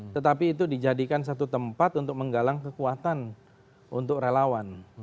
tetapi itu dijadikan satu tempat untuk menggalang kekuatan untuk relawan